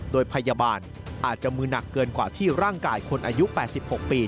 โดยพยาบาลอาจจะมือหนักเกินกว่าที่ร่างกายคนอายุ๘๖ปี